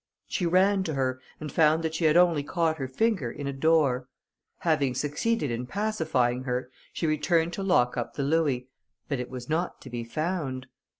She ran to her, and found that she had only caught her finger in a door. Having succeeded in pacifying her, she returned to lock up the louis, but it was not to be found.